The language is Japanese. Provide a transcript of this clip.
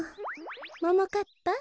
ももかっぱ